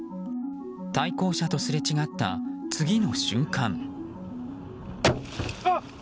対向車とすれ違った次の瞬間。